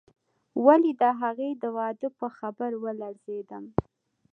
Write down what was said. ولې د هغې د واده په خبر ولړزېدم.